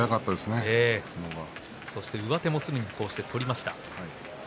上手もすぐ取りました。